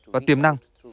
và tiềm năng